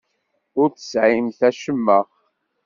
Ur tesɛimt acemma.